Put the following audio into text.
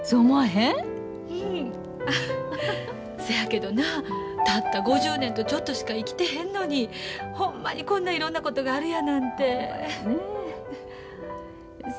そやけどなたった５０年とちょっとしか生きてへんのにほんまにこんないろんなことがあるやなんて。